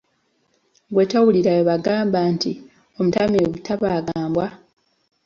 Ggwe towulira bwe bagamba nti, omutamiivu tabaaga mbwa?